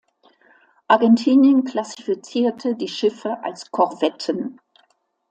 Argentinien klassifizierte die Schiffe als Korvetten.